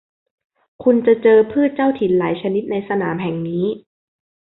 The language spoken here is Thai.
คุณจะเจอพืชเจ้าถิ่นหลายชนิดในสนามแห่งนี้